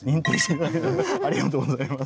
ありがとうございます。